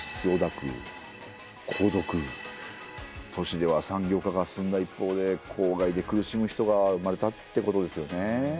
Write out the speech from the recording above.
都市では産業化が進んだ一方で公害で苦しむ人が生まれたってことですよね。